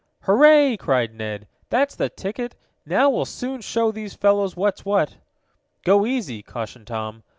"Hurray!" cried Ned. "That's the ticket! Now we'll soon show these fellows what's what!" "Go easy!" cautioned Tom.